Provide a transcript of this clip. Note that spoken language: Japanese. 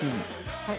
はい。